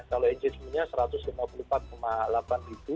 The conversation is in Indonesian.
kalau engine punya rp satu ratus lima puluh empat delapan ratus